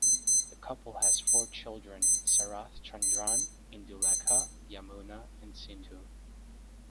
The couple has four children: Sarath Chandran, Indulekha, Yamuna and Sindhu.